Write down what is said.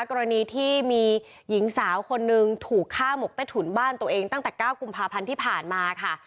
กรณีที่มีหญิงสาวคนนึงถูกฆ่าหมกใต้ถุนบ้านตัวเองตั้งแต่๙กุมภาพันธ์ที่ผ่านมาค่ะ